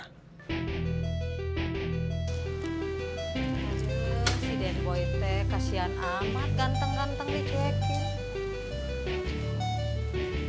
si den boy t kasian amat ganteng ganteng di cuekin